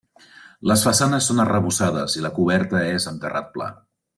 Les façanes són arrebossades i la coberta és amb terrat pla.